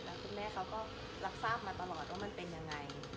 แล้วคุณแม่เขาก็รับทราบมาตลอดว่ามันเป็นยังไง